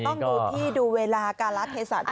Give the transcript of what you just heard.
แต่ต้องดูที่ดูเวลากาลักษณ์เทศภรรยา